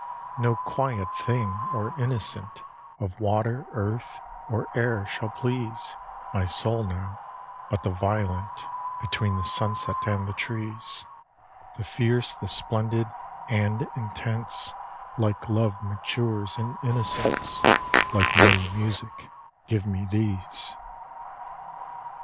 No quiet thing, or innocent, Of water, earth, or air shall please My soul now: but the violent Between the sunset and the trees: The fierce, the splendid, and intense, Like love matures in innocence, Like mighty music, give me these!